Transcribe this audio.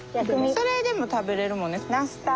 それでも食べれるもんね。